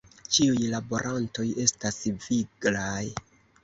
Ĉiuj laborantoj estas viglaj.